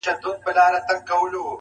نن دي جهاني غزل ته نوی رنګ ورکړی دی!